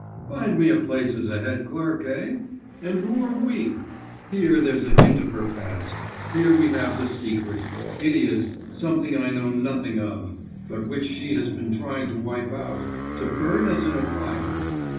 Find me a place as a head clerk, eh? and who are we? Here there's a hint of her past. Here we have the secret, hideous something I know nothing of, but which she has been trying to wipe out, to burn as in a fire.